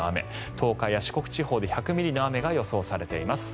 東海や四国地方で１００ミリの雨が予想されています。